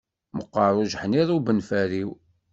Meqqeṛ ujeḥniḍ ubenferriw.